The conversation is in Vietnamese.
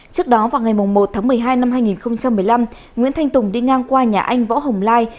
trước đó vào ngày một tháng một mươi hai năm hai nghìn một mươi năm nguyễn thanh tùng đi ngang qua nhà anh võ hồng lai